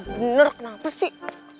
bener kenapa sih